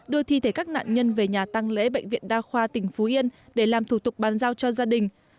đưa thi thể các nạn nhân về nhà tăng lễ bệnh viện đa khoa tỉnh phú yên để làm thủ tục bàn giao cho gia đình